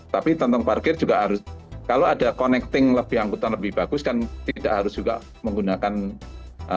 tapi kantong parkir juga harus kalau ada connecting lebih anggutan lebih bagus kan tidak harus juga menggunakan parkir parking area